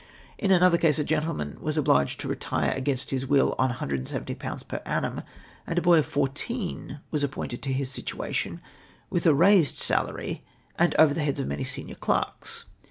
In anotlier case a gentleman was obliged to retire against his will on 170/. per annum, and a hoy of fourteen was appointed to his situation ivlih a raised salary, and over the heads of many senior clerks.